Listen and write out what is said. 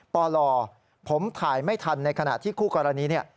ปลอลอผมถ่ายไม่ทันในขณะที่คู่กรณี